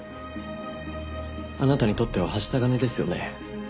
あなたにとってははした金ですよね。